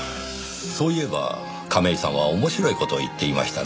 そういえば亀井さんは面白い事を言っていましたねぇ。